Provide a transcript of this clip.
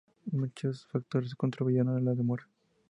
Muchos factores contribuyeron a la demora.